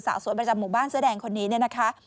สะสวนมาจากหมู่บ้านเสียแดงคนนี้เนี่ยนะคะ